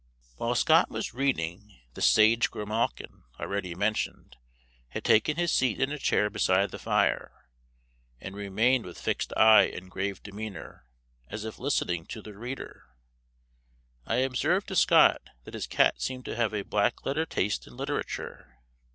While Scott was reading, the sage grimalkin, already mentioned, had taken his seat in a chair beside the fire, and remained with fixed eye and grave demeanor, as if listening to the reader. I observed to Scott that his cat seemed to have a black letter taste in literature.